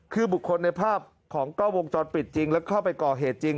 คือบุคคลในภาพของกล้องวงจรปิดจริงแล้วเข้าไปก่อเหตุจริง